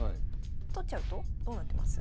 取っちゃうとどうなってます？